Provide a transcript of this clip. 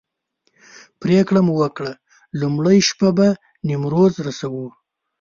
پرېکړه مو وکړه لومړۍ شپه به نیمروز رسوو.